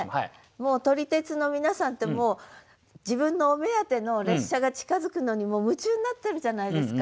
もう撮り鉄の皆さんってもう自分のお目当ての列車が近づくのに夢中になってるじゃないですか。